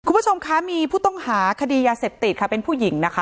คุณผู้ชมคะมีผู้ต้องหาคดียาเสพติดค่ะเป็นผู้หญิงนะคะ